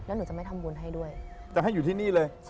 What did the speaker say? แล้วหนูจะไม่ทำบุญให้ด้วย